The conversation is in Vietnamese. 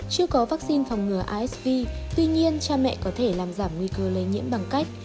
chưa có vaccine phòng ngừa sv tuy nhiên cha mẹ có thể làm giảm nguy cơ lây nhiễm bằng cách